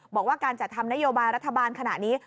บอกว่าการจัดทำนโยบายรัฐบาลขณะนี้